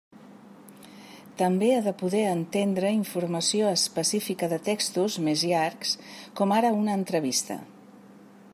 També ha de poder entendre informació específica de textos més llargs, com ara un entrevista.